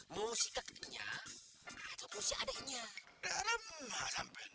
musiknya kenyang atau musik adeknya